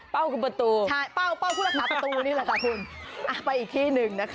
เป้ากลุ่มประตูเข้ามาใช้เหรอคุณอีกที่หนึ่ง